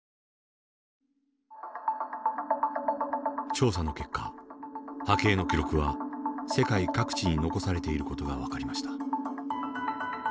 調査の結果波形の記録は世界各地に残されている事が分かりました。